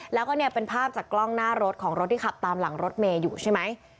แล้วก็เนี่ยเป็นภาพจากกล้องหน้ารถของรถที่ขับตามหลังรถเมย์อยู่ใช่ไหม